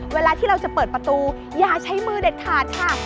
เวลาที่เราจะเปิดประตูอย่าใช้มือเด็ดขาดค่ะ